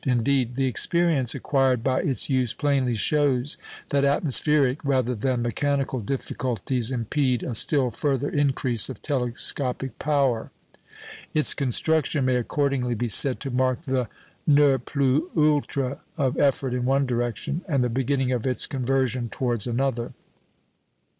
Indeed, the experience acquired by its use plainly shows that atmospheric rather than mechanical difficulties impede a still further increase of telescopic power. Its construction may accordingly be said to mark the ne plus ultra of effort in one direction, and the beginning of its conversion towards another.